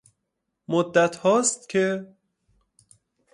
مدتها است که...